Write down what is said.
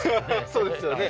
そうですよね